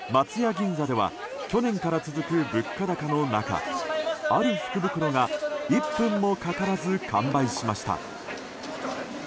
銀座では去年から続く物価高の中ある福袋が１分もかからず完売しました。